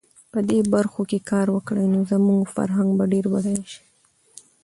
په دې برخو کې کار وکړي، نو زموږ فرهنګ به ډېر بډایه شي.